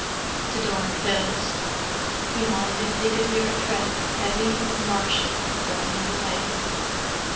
The door closed; behind it they could hear a tread, heavy and martial, dying away.